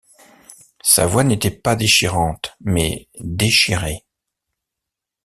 Sa voix n’était pas déchirante, mais déchirée.